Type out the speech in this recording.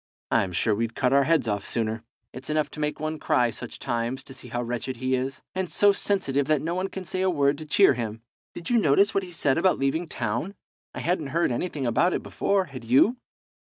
I'm sure we'd cut our heads off sooner. It's enough to make one cry, such times, to see how wretched he is, and so sensitive that no one can say a word to cheer him. Did you notice what he said about leaving town? I hadn't heard anything about it before, had you?"